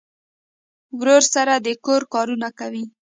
ورور سره د کور کارونه کوي.